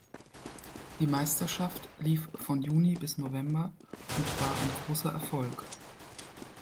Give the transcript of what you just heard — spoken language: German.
Die Meisterschaft lief von Juni bis November und war ein großer Erfolg.